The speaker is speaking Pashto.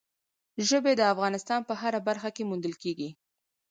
ژبې د افغانستان په هره برخه کې موندل کېږي.